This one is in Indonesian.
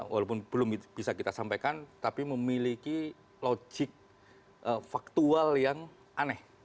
walaupun belum bisa kita sampaikan tapi memiliki logik faktual yang aneh